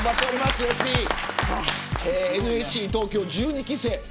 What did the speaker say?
ＮＳＣ東京１２期生。